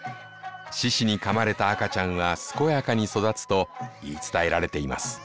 獅子にかまれた赤ちゃんは健やかに育つと言い伝えられています。